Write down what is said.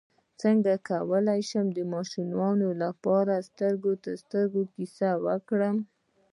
څنګه کولی شم د ماشومانو لپاره د سترګو سترګو کیسه وکړم